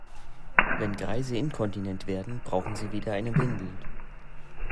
Wenn Greise inkontinent werden, brauchen sie wieder eine Windel.